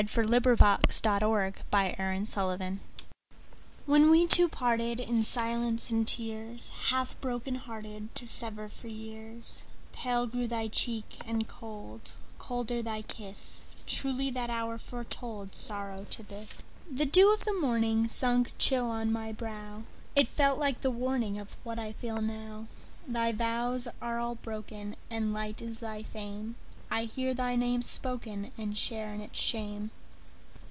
When We Two Parted WHEN we two partedIn silence and tears, Half broken hearted, To sever for years, Pale grew thy cheek and cold, Colder thy kiss; Truly that hour foretoldSorrow to this! The dew of the morningSunk chill on my brow; It felt like the warningOf what I feel now. Thy vows are all broken, And light is thy fame:I hear thy name spokenAnd share in its shame.